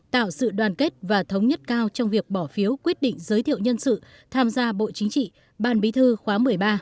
tạo sự đoàn kết và thống nhất cao trong việc bỏ phiếu quyết định giới thiệu nhân sự tham gia bộ chính trị ban bí thư khóa một mươi ba